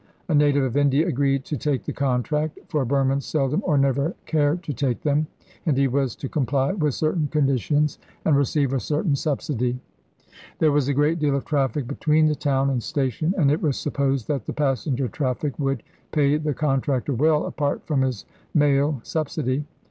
A native of India agreed to take the contract for Burmans seldom or never care to take them and he was to comply with certain conditions and receive a certain subsidy. There was a great deal of traffic between the town and station, and it was supposed that the passenger traffic would pay the contractor well, apart from his mail subsidy.